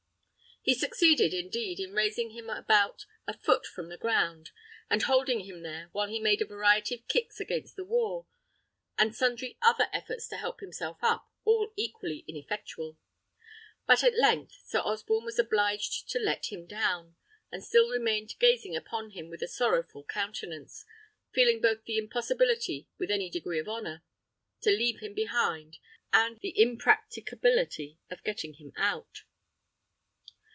He succeeded, indeed, in raising him about a foot from the ground, and holding him there, while he made a variety of kicks against the wall, and sundry other efforts to help himself up, all equally ineffectual; but at length Sir Osborne was obliged to let him down, and still remained gazing upon him with a sorrowful countenance, feeling both the impossibility, with any degree of honour, to leave him behind, and the impracticability of getting him out.